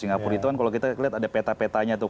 singapura itu kan kalau kita lihat ada peta petanya tuh